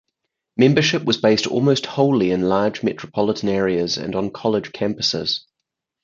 Membership was based almost wholly in large metropolitan areas and on college campuses.